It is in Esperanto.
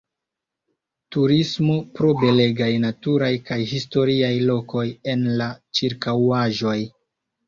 Turismo pro belegaj naturaj kaj historia lokoj en la ĉirkaŭaĵoj.